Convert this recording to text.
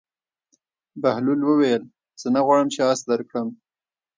بهلول وویل: زه نه غواړم چې اس درکړم.